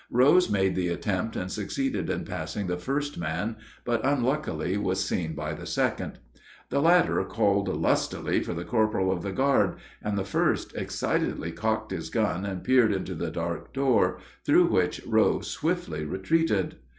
Rose made the attempt and succeeded in passing the first man, but unluckily was seen by the second. The latter called lustily for the corporal of the guard, and the first excitedly cocked his gun and peered into the dark door through which Rose swiftly retreated.